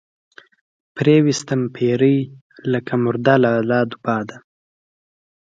پرې ويستم پيرۍ لکه مرده لۀ لاد وباده